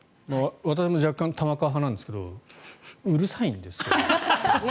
私も若干玉川派なんですけどうるさいんですよ。